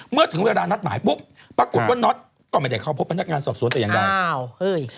เมื่อถึงเวลานัดหมายปุ๊บปรากฏว่าน็อตก็ไม่ได้เข้าพบพนักงานสอบสวนแต่อย่างใดอ้าวเฮ้ย